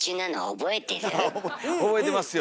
覚えてますよ。